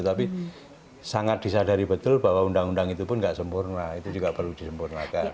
tapi sangat disadari betul bahwa undang undang itu pun tidak sempurna itu juga perlu disempurnakan